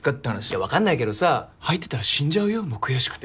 いやわかんないけどさ入ってたら死んじゃうよもう悔しくて。